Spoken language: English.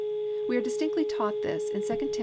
We are distinctly taught this in 2 Tim.